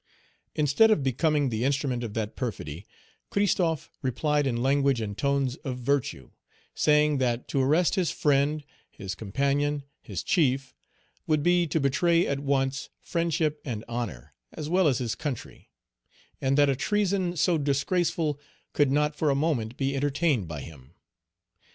Instead of becoming the instrument of that perfidy, Christophe replied in language and tones of virtue, saying that to arrest his friend, his companion, his chief, would be to betray at once friendship and honor, as well as his country; and that a treason so disgraceful could not for a moment be entertained by him.